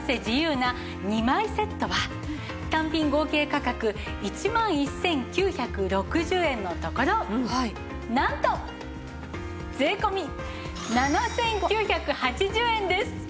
自由な２枚セットは単品合計価格１万１９６０円のところなんと税込７９８０円です！